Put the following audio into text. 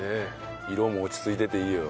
色も落ち着いてていいよ。